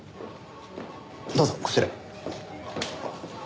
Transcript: どうぞこちらへ。